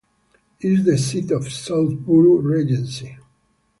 It is the seat of South Buru Regency.